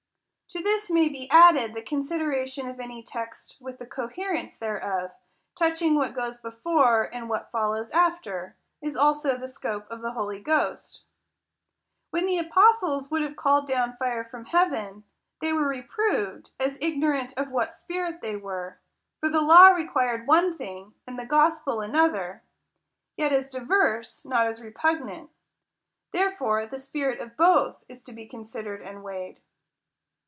To this may be added, the consideration of any text with the coherence thereof, touching what goes before, and what follows after; as also the scope of the Holy Ghost. When the apostles would have called down fire from heaven, they were reproved, as ignorant of what spirit they were. For the law required one thing, and the gospel another ; yet as diverse, not as repugnant : therefore the spirit of both is to be considered and weighed.